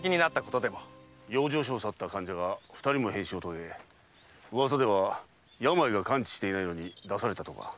養生所を去った患者が二人も変死を遂げ噂では病が完治していないのに出されたとか。